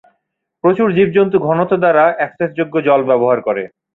প্রচুর জীবজন্তু ঘনত্ব দ্বারা অ্যাক্সেসযোগ্য জল ব্যবহার করে।